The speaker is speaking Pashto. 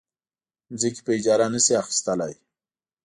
ځمکې په اجاره نه شي اخیستلی.